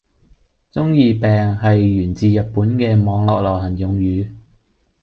中二病係源自日本嘅網絡流行用語